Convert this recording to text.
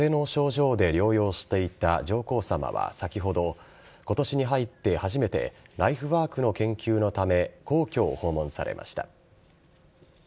年末にかぜの症状で療養していた上皇さまは先ほど、ことしに入って初めて、ライフワークの研究のため、皇居を訪問されました。